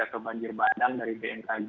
atau banjir bandang dari bmkg